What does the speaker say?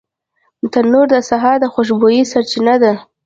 تنور د سهار د خوشبویۍ سرچینه ده